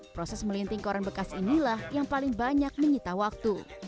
proses melinting koran bekas inilah yang paling banyak menyita waktu